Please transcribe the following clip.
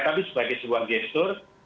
ya tapi sebagai sebuah gesture